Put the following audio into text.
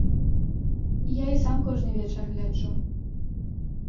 Я і сам кожны вечар гляджу.